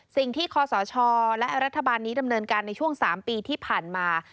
คศและรัฐบาลนี้ดำเนินการในช่วง๓ปีที่ผ่านมา